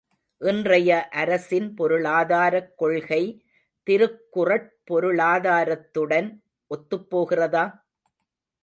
இன்றைய அரசின் பொருளாதாரக் கொள்கை திருக்குறட் பொருளாதாரத்துடன் ஒத்துப்போகிறதா?